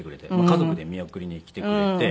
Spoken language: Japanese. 家族で見送りに来てくれて。